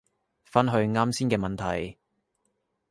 返去啱先嘅問題